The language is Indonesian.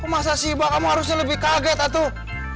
masa sih bah kamu harusnya lebih kaget atuh